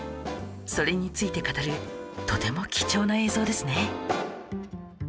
それについて語るとても貴重な映像ですね